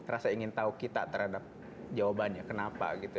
rasa ingin tahu kita terhadap jawabannya kenapa gitu